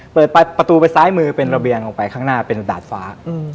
เปิดประตูไปซ้ายมือเป็นระเบียงลงไปข้างหน้าเป็นดาดฟ้า